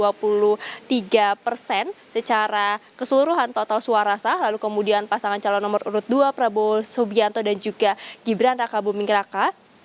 secara keseluruhan total suara sah lalu kemudian pasangan calon nomor urut dua prabowo subianto dan juga gibran raka buming raka